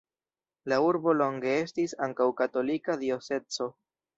La urbo longe estis ankaŭ katolika diocezo.